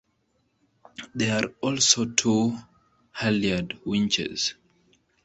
There are also two halyard winches.